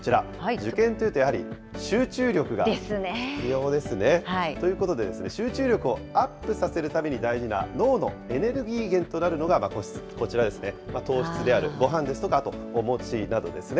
受験というとやはり、集中力が必要ですね。ということで、集中力をアップさせるために大事な脳のエネルギー源となるのがこちら、糖質であるごはんですとか、あとお餅などですね。